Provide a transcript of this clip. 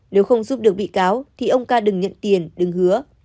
nếu không giúp được bị cáo thì ông ca đừng nhận tiền đứng hứa